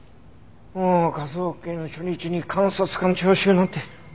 もう科捜研初日に監察官聴取なんて。